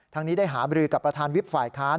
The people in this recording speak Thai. ทั้งนี้ได้หาบริกับประธานวิทย์ฝ่ายค้าน